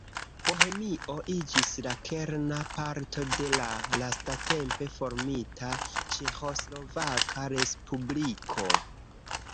Bohemio iĝis la kerna parto de la lastatempe formita Ĉeĥoslovaka Respubliko.